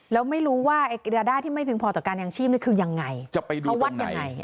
แล้วไม่รู้ว่ารายได้ที่ไม่เพียงพอแต่การอย่างชีพคือยังไงเพราะวัดอย่างไหน